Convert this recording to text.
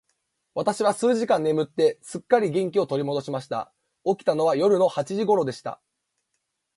私は数時間眠って、すっかり元気を取り戻しました。起きたのは夜の八時頃でした。